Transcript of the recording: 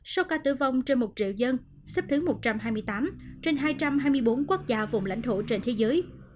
số ca tử vong trên một triệu dân xếp thứ một trăm hai mươi tám trên hai trăm hai mươi bốn quốc gia vùng lãnh thổ trên thế giới